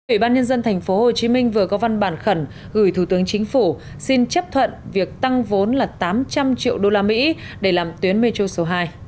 ủy ban nhân dân tp hcm vừa có văn bản khẩn gửi thủ tướng chính phủ xin chấp thuận việc tăng vốn là tám trăm linh triệu usd để làm tuyến metro số hai